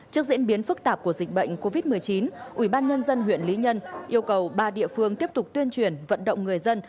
trước diễn biến phức tạp của dịch bệnh covid một mươi chín ủy ban nhân dân huyện lý nhân yêu cầu ba địa phương tiếp tục tuyên truyền vận động người dân